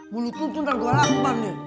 bulu tujuan ragu lapan deh